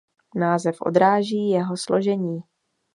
Název odráží jeho složení.